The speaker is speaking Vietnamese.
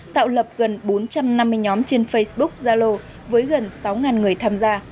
tạo lập gần bốn trăm năm mươi nhóm trên facebook zalo với gần sáu người tham gia